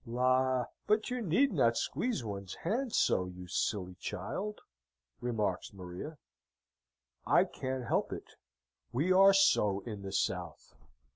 "La! but you need not squeeze one's hand so, you silly child!" remarks Maria. "I can't help it we are so in the south.